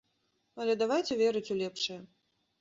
Але давайце верыць у лепшае!